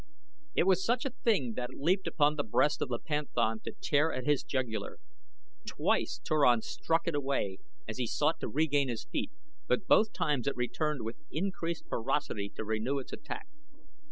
It was such a thing that leaped upon the breast of the panthan to tear at his jugular. Twice Turan struck it away as he sought to regain his feet, but both times it returned with increased ferocity to renew the attack.